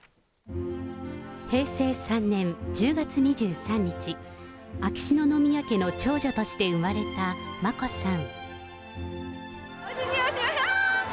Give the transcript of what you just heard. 平成３年１０月２３日、秋篠宮家の長女として産まれた眞子さん。